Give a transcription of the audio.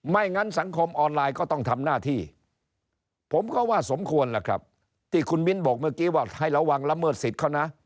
งั้นสังคมออนไลน์ก็ต้องทำหน้าที่ผมก็ว่าสมควรล่ะครับที่คุณมิ้นบอกเมื่อกี้ว่าให้ระวังละเมิดสิทธิ์เขานะ